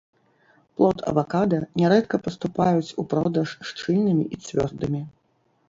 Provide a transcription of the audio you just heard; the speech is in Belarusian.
Плод авакада нярэдка паступаюць у продаж шчыльнымі і цвёрдымі.